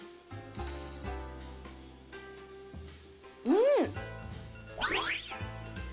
うん！